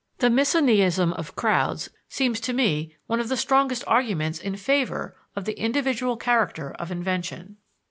The misoneism of crowds seems to me one of the strongest arguments in favor of the individual character of invention.